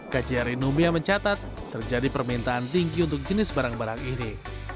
kjri numia mencatat terjadi permintaan tinggi untuk jenis barang barang ini